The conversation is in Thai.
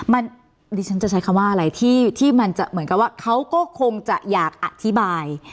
อันนี้ฉันจะใช้คำว่าอะไรที่มันจะเหมือนกับว่าเขาก็คงจะอยากอธิบาย